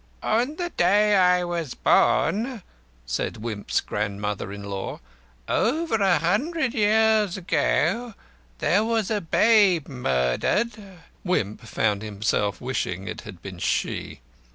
"On the day I was born," said Wimp's grand mother in law, "over a hundred years ago, there was a babe murdered." Wimp found himself wishing it had been she.